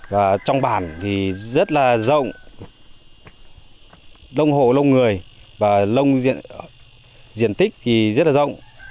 và trong bản thì rất là rộng lông hộ lông người và lông diện tích thì rất là rộng